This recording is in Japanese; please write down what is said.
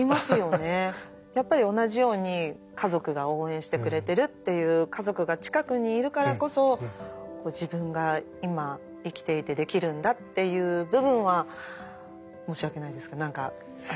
やっぱり同じように家族が応援してくれてるっていう家族が近くにいるからこそ自分が今生きていてできるんだっていう部分は申し訳ないんですが何か一緒だなと。